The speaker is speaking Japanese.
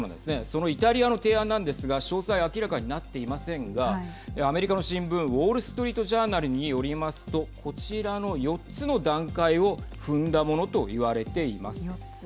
そのイタリアの提案なんですが詳細明らかになっていませんがアメリカの新聞ウォール・ストリート・ジャーナルによりますとこちらの４つの段階を踏んだものといわれています。